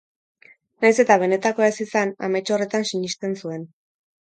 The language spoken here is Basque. Nahiz eta benetakoa ez izan, amets horretan sinisten zuen.